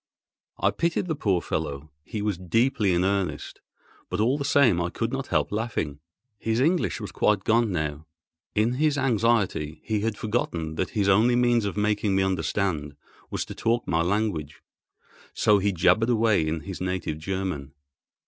I pitied the poor fellow, he was deeply in earnest; but all the same I could not help laughing. His English was quite gone now. In his anxiety he had forgotten that his only means of making me understand was to talk my language, so he jabbered away in his native German.